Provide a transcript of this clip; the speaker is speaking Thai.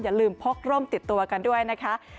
อย่าลืมพกร่มติดตัวกันด้วยนะคะ